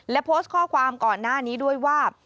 และโพสต์ข้อความก่อนหน้านี้ด้วยว่า